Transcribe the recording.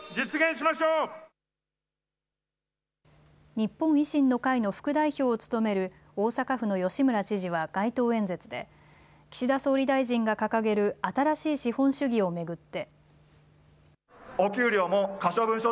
日本維新の会の副代表を務める大阪府の吉村知事は街頭演説で岸田総理大臣が掲げる新しい資本主義を巡って。